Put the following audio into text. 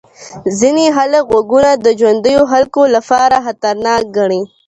ځینې خلک غږونه د ژوندیو خلکو لپاره خطرناک ګڼي.